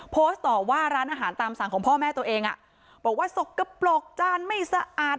โพสต์ต่อว่าร้านอาหารตามสั่งของพ่อแม่ตัวเองอ่ะบอกว่าสกปรกจานไม่สะอาด